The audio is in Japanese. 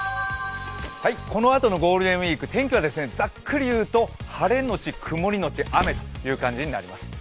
このあとのゴールデンウイークの天気はざっくりというと晴れ後曇り後雨となります。